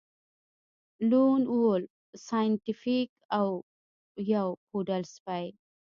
لون وولف سایینټیفیک او یو پوډل سپی